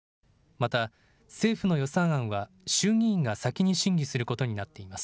また政府の予算案は衆議院が先に審議することになっています。